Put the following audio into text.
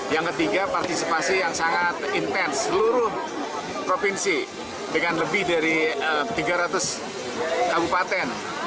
yang ketiga partisipasi yang sangat intens seluruh provinsi dengan lebih dari tiga ratus kabupaten